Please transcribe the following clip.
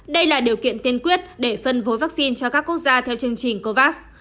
đây là điều kiện tiên quyết để phân phối vaccine cho các quốc gia theo chương trình covax